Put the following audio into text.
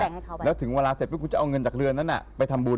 ใช่ค่ะแบ่งให้เขาไปแล้วถึงเวลาเสร็จไปกูจะเอาเงินจากเรือนั้นน่ะไปทำบุญ